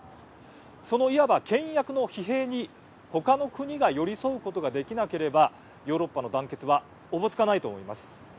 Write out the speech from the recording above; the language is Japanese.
そのいわば、けん引役の疲弊に他の国が寄り添うことができなければヨーロッパの団結はおぼつかないと思います。